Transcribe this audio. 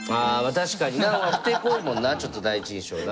確かになふてこいもんなあちょっと第一印象な。